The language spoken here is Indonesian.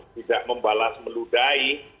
tidak membalas meludai